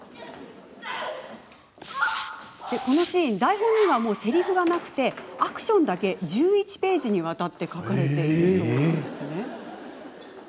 このシーン台本には、せりふがなくアクションのみ１１ページにわたって書かれています。